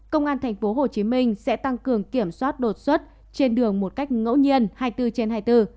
công an tp hcm sẽ tăng cường kiểm soát đột xuất trên đường một cách ngẫu nhiên hai mươi bốn trên hai mươi bốn